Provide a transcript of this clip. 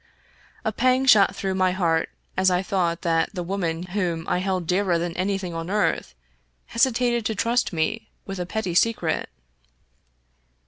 A pang shot through my heart as I thought that the woman whom I held dearer than anything on earth hesi » tated to trust me with a petty secret.